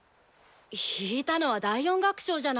弾いたのは第４楽章じゃない。